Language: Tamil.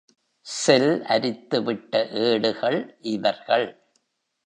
செல் அரித்துவிட்ட ஏடுகள் இவர்கள்.